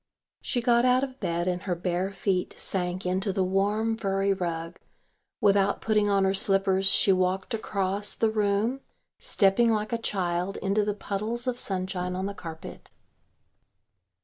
She got out of bed and her bare feet sank into the warm furry rug; without putting on her slippers she walked across the room, stepping like a child into the puddles of sunshine on the carpet.